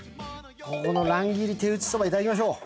ここの卵切り手打ちそばいただきましょう。